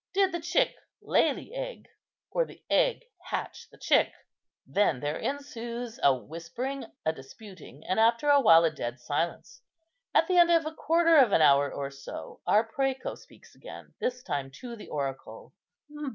Did the chick lay the egg, or the egg hatch the chick?' Then there ensues a whispering, a disputing, and after a while a dead silence. At the end of a quarter of an hour or so, our præco speaks again, and this time to the oracle.